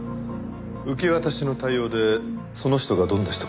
受け渡しの対応でその人がどんな人かわかる。